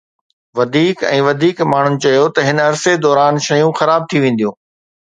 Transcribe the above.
وڌيڪ ۽ وڌيڪ ماڻهن چيو ته هن عرصي دوران شيون خراب ٿي وينديون